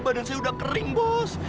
badan saya udah kering bos